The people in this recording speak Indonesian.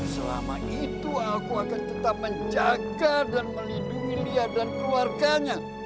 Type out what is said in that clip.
selama itu aku akan tetap menjaga dan melindungi lia dan keluarganya